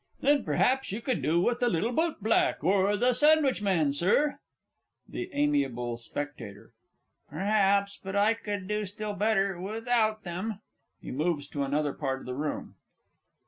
Then perhaps you could do with "The Little Boot Black," or "The Sandwich Man," Sir? THE A. S. Perhaps but I could do still better without them. [_He moves to another part of the room.